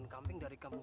ya bekerja bang